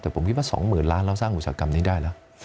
แต่ผมคิดว่า๒๐๐๐ล้านเราสร้างอุตสาหกรรมนี้ได้แล้ว